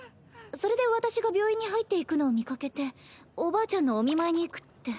それで私が病院に入っていくのを見かけておばあちゃんのお見舞いに行くって。